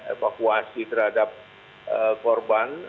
evakuasi terhadap korban